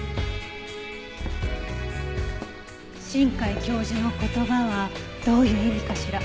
新海教授の言葉はどういう意味かしら。